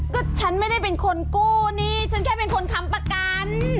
ก็ฉันไม่ได้เป็นคนกู้นี่ฉันแค่เป็นคนทำประกัน